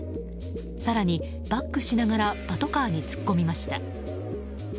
更にバックしながらパトカーに突っ込みました。